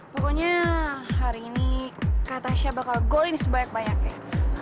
pokoknya hari ini kak tasya bakal goal in sebanyak banyaknya